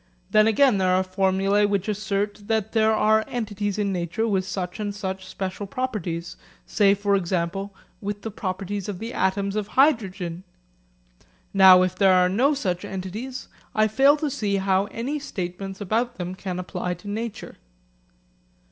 Then again there are formulae which assert that there are entities in nature with such and such special properties, say, for example, with the properties of the atoms of hydrogen. Now if there are no such entities, I fail to see how any statements about them can apply to nature.